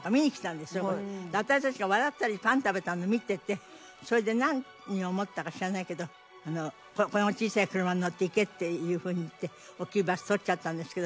そこにそれで何を思ったか知らないけど「この小さい車に乗って行け」っていうふうに言って大きいバス取っちゃったんですけど。